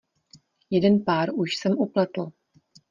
Jeden pár už jsem upletl.